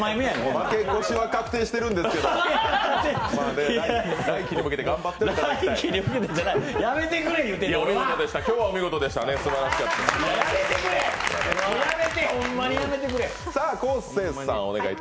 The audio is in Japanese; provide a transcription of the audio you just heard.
負け越しは確定しているんですけど来期に向けて頑張っていただきたい。